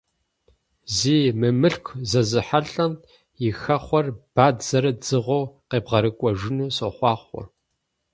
Зи мымылъку зэзыхьэлӀэм и хэхъуэр бадзэрэ дзыгъуэу къебгъэрыкӀуэжыну сохъуахъуэ!